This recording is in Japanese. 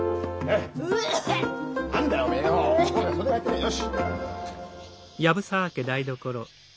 よし。